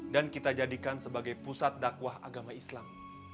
dan kita jadikan sebagai pusat dakwah agama islam